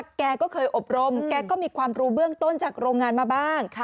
แกก็เคยอบรมแกก็มีความรู้เบื้องต้นจากโรงงานมาบ้าง